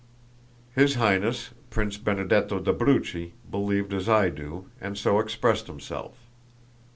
His Highness, Prince Benedetto d'Abruzzi believed as I do, and so expressed himself."